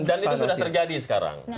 dan itu sudah terjadi sekarang